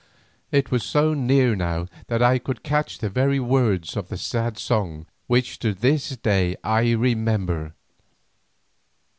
It was so near now that I could catch the very words of that sad song which to this day I remember.